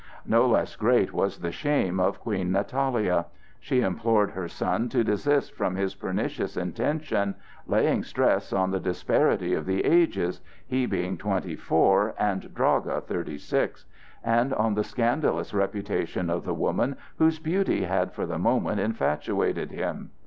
No less great was the shame of Queen Natalia. She implored her son to desist from his pernicious intention, laying stress on the disparity of the ages,—he being twenty four and Draga thirty six, and on the scandalous reputation of the woman whose beauty had for the moment infatuated him.